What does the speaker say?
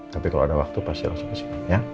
tapi kalau ada waktu pasti langsung kesini ya